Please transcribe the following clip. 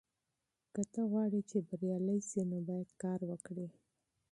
که ته غواړې چې بریالی شې نو باید کار وکړې.